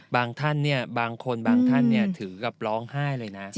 ท่านบางคนบางท่านถือกับร้องไห้เลยนะ